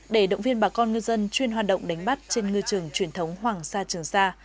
để động viên bà con ngư dân chuyên hoạt động đánh bắt trên ngư trường truyền thống hoàng sa trường sa